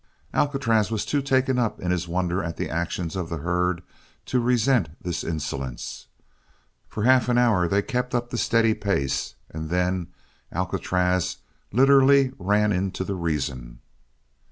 Alcatraz was too taken up in his wonder at the actions of the herd to resent this insolence. For half an hour they kept up the steady pace and then Alcatraz literally ran into the reason.